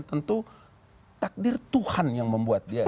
tentu takdir tuhan yang membuat dia